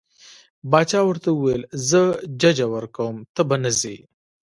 باچا ورته وویل زه ججه ورکوم ته به نه ځې.